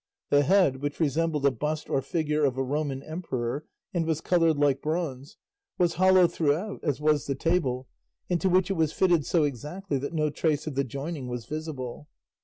The head, which resembled a bust or figure of a Roman emperor, and was coloured like bronze, was hollow throughout, as was the table, into which it was fitted so exactly that no trace of the joining was visible.